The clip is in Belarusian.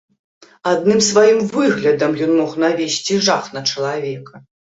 Адным сваім выглядам ён мог навесці жах на чалавека.